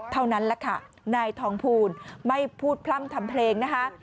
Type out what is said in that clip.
เท่านั้นแหละค่ะนายทองภูลไม่พูดพร่ำทำเพลงนะคะ